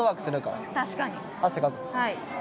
はい。